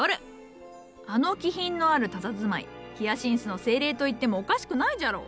あの気品のあるたたずまいヒアシンスの精霊と言ってもおかしくないじゃろ。